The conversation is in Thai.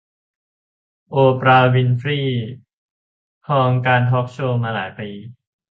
โอปรา วินเฟรย์ ครองการทอล์คโชว์มาหลายปี